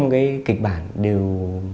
bốn năm cái kịch bản đều